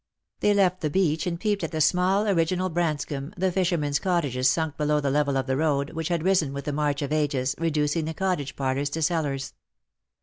" They left the beach, and peeped at the small original Brans comb, the fishermen's cottages sunk below the level of the road, which had risen with the march of ages, reducing the cottage parlours to cellars.